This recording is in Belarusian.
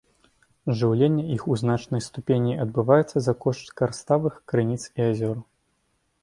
Жыўленне іх у значнай ступені адбываецца за кошт карставых крыніц і азёр.